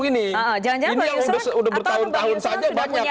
ini yang sudah bertahun tahun saja banyak